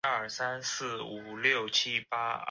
该校为教育部电机与电子群科中心主办学校。